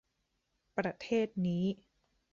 ประเทศนี้